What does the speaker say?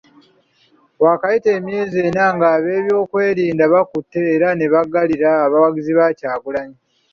Waakayita emyezi ena ng'abeebyokwerinda bakutte era ne baggalira abawagizi ba Kyagulanyi.